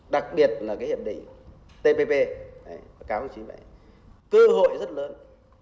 đặc biệt là cái hiệp định tpp cơ hội rất lớn